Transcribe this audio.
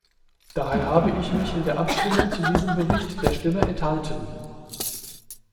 Daher habe ich mich in der Abstimmung zu diesem Bericht der Stimme enthalten.